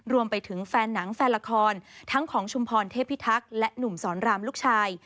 รวมไปถึงแฟนหนังแฟนละครทั้งของชุมพรเทพิทักษ์และหนุ่มสอนรามลูกชาย